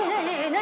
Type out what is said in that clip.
何？